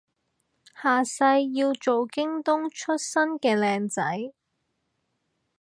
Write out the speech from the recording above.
下世要做東京出身嘅靚仔